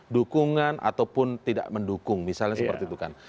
dukungan ataupun tidak mendukung misalnya seperti itu kan